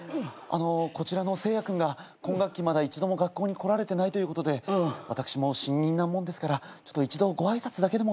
こちらのせいや君が今学期まだ一度も学校に来られてないということで私も新任なもんですから一度ご挨拶だけでもと思いまして。